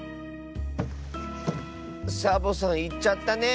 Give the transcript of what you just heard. サボさんいっちゃったね。